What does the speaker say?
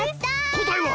こたえは！？